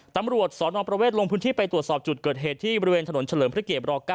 ตำรวจสนประเวทลงพื้นที่ไปตรวจสอบจุดเกิดเหตุที่บริเวณถนนเฉลิมพระเกียร๙